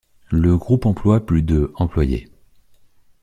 Le groupe emploie plus de employés.